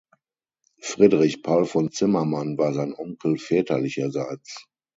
Friedrich Paul von Zimmermann war sein Onkel väterlicherseits.